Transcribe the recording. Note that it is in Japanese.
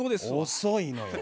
遅いのよ。